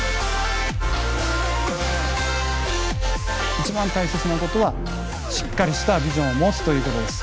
一番大切なことはしっかりしたビジョンを持つということです。